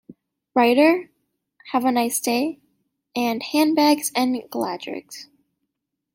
Writer", "Have a Nice Day" and "Handbags and Gladrags".